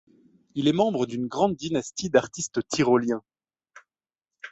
Il est membre d'une grande dynastie d'artistes tyroliens.